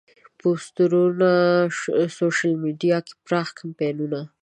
پوسترونه، سوشیل میډیا کې پراخ کمپاینونه.